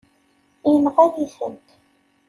Yenɣa-yi-tent.